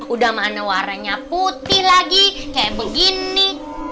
udah mana warnanya putih lagi kayak begini